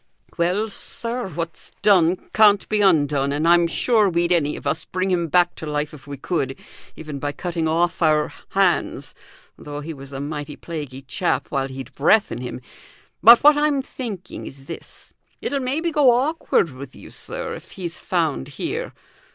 "Well, sir, what's done can't be undone, and I'm sure we'd any of us bring him back to life if we could, even by cutting off our hands, though he was a mighty plaguey chap while he'd breath in him. But what I'm thinking is this: it'll maybe go awkward with you, sir, if he's found here.